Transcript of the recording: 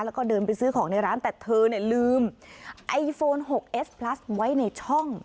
แล้วก็เดินไปซื้อของในร้านแต่เธอเนี่ยลืมไอโฟน๖เอสพลัสไว้ในช่อง